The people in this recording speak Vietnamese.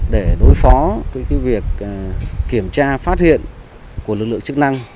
để đối phó với việc kiểm tra phát hiện của lực lượng chức năng